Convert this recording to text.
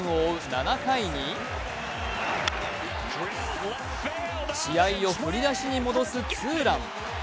７回に試合を振り出しに戻すツーラン。